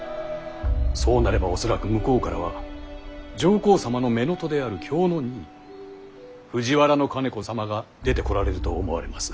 そうなれば恐らく向こうからは上皇様の乳母である卿二位藤原兼子様が出てこられると思われます。